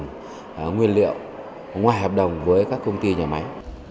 không phát triển nguyên liệu ngoài hợp đồng với các công ty nhà máy